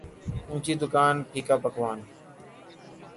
اونچی دکان پھیکا پکوان